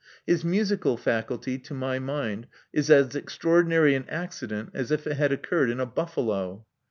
His musical faculty, to my mind, is as extraordinary an accident as if it had occurred in a buffalo.